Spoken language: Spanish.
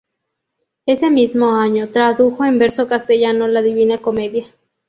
Ese mismo año tradujo en verso castellano la Divina comedia.